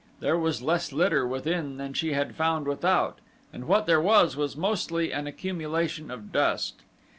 There was less litter within than she had found without and what there was was mostly an accumulation of dust.